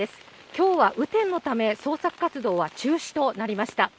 きょうは雨天のため、捜索活動は中止となりました。